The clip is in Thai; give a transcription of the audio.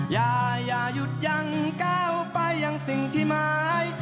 อย่าหยุดยังก้าวไปยังสิ่งที่หมาย